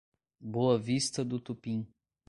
Boa Vista do Tupim